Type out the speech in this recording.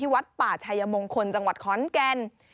วัดป่าชายมงคลจังหวัดขอนแก่น